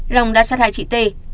long đã sát hại chị tê